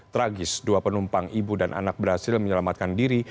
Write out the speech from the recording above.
tragis dua penumpang ibu dan anak berhasil menyelamatkan diri